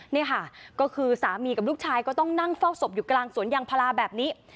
นี่ค่ะก็คือสามีกับลูกชายก็ต้องนั่งเฝ้าศพอยู่กลางสวนยางพาราแบบนี้